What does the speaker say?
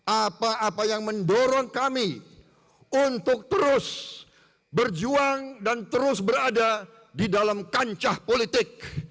apa apa yang mendorong kami untuk terus berjuang dan terus berada di dalam kancah politik